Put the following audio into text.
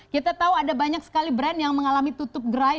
kita tahu ada banyak sekali brand yang mengalami tutup gerai